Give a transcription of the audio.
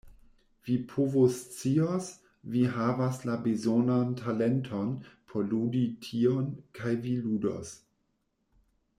Vi povoscios, vi havas la bezonan talenton por ludi tion, kaj vi ludos.